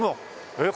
えっ？